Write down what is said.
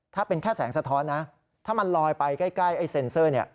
ถ้าเป็นแค่แสงสะท้อนนะถ้ามันลอยไปใกล้ไอ้เซ็นเซอร์เนี่ย